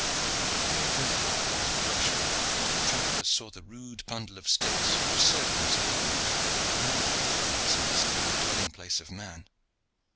Here and there amid the brushwood the travellers saw the rude bundle of sticks which served them as a home more like a fowl's nest than the dwelling place of man.